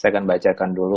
saya akan bacakan dulu